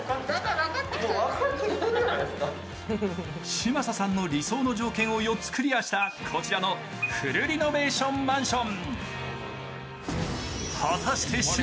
嶋佐さんの理想の条件を４つクリアしたこちらのフルリノベーションマンション。